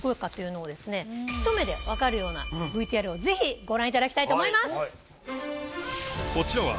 ようなＶＴＲをぜひご覧いただきたいと思います。